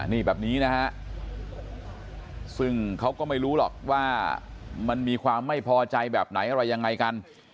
นี่แบบนี้นะฮะซึ่งเขาก็ไม่รู้หรอกว่ามันมีความไม่พอใจแบบไหนอะไรยังไงกัน